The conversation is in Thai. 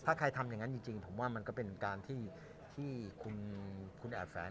ถ้าใครทำอย่างนั้นจริงผมว่ามันก็เป็นการที่คุณแอบแฝง